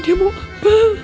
dia mau apa